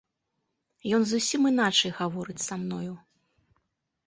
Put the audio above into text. Ён зусім іначай гаворыць са мною.